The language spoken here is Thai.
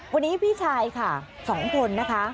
วันนี้พี่ชายค่ะ๒คนนะคะ